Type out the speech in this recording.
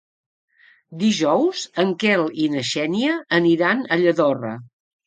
Dijous en Quel i na Xènia aniran a Lladorre.